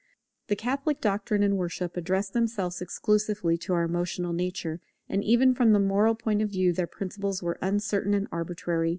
The Catholic doctrine and worship addressed themselves exclusively to our emotional nature, and even from the moral point of view their principles were uncertain and arbitrary.